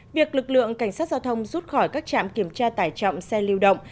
việc lực lượng cảnh sát giao thông rút khỏi các trạm kiểm tra tải trọng xe lưu động